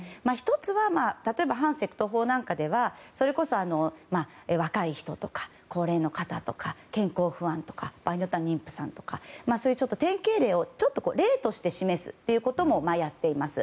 １つは例えば反セクト法なんかではそれこそ若い人とか、高齢の方とか健康不安とか場合によっては妊婦さんとかそういう典型例を例として示すということもやっています。